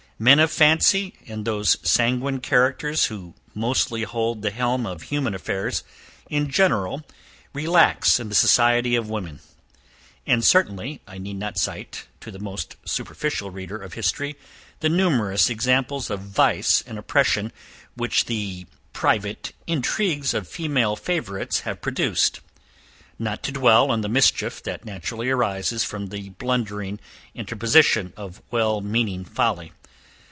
Men of fancy, and those sanguine characters who mostly hold the helm of human affairs, in general, relax in the society of women; and surely I need not cite to the most superficial reader of history, the numerous examples of vice and oppression which the private intrigues of female favourites have produced; not to dwell on the mischief that naturally arises from the blundering interposition of well meaning folly.